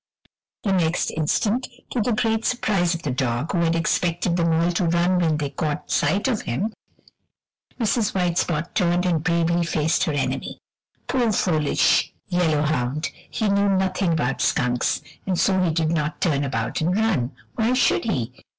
The next instant, to the great surprise of the dog, who had expected them all to run when they caught sight of him, Mrs. White Spot turned and bravely faced her enemy. Poor foolish yellow hound, he knew nothing about skunks, and so he did not turn about and run. Why should he?